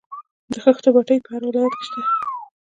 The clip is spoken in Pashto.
د خښتو بټۍ په هر ولایت کې شته